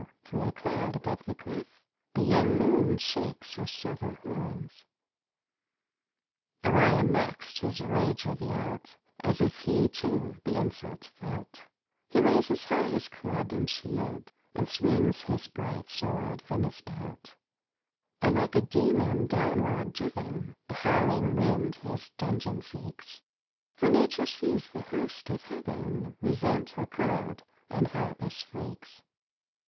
through a cloud above the cliff, The young moon shakes her silver horns. Orion next his rage revealed, As if he, too, the insult felt; He raises high his club and shield, And swings his bright sword from his belt; And like a demon downward driven, The howling wind his dungeon seeks; For nature sees the hosts of heaven Resent her cold and heartless freaks.